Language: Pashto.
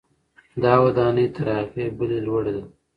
دا ودانۍ تر هغې بلې لوړه ده.